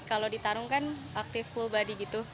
kalau ditarung kan aktif full body gitu